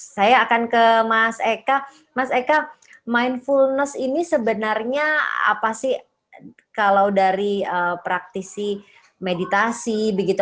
saya akan ke mas eka mas eka mindfulness ini sebenarnya apa sih kalau dari praktisi meditasi begitu